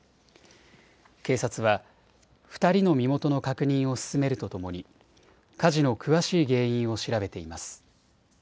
警察は２人の身元の確認を進めるとともに火事の詳しい原因を調べています。